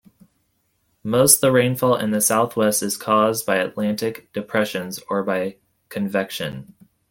Most the rainfall in the south-west is caused by Atlantic depressions or by convection.